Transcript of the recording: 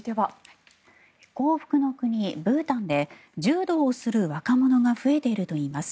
幸福の国ブータンで柔道をする若者が増えているといいます。